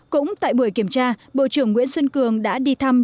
cũng tại buổi kiểm tra bộ trưởng nguyễn xuân cường đã đi thăm